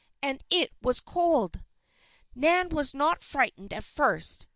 And it was cold! Nan was not frightened at first.